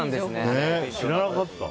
知らなかった。